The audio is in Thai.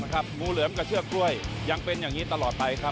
งูเหลือมกับเชือกกล้วยยังเป็นอย่างนี้ตลอดไปครับ